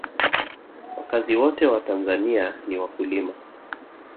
wakazi wote wa tanzania ni wakulima